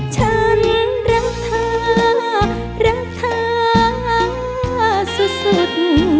ฉันรักเธอรักเธอสุด